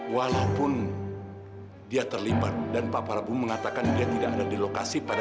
saya hanya ditugaskan untuk mengeluarkan bapak dan ibu dari sel